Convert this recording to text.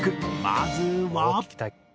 まずは。